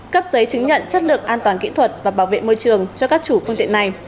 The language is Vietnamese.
cấp giấy chứng nhận chất lượng an toàn kỹ thuật và bảo vệ môi trường cho các chủ phương tiện này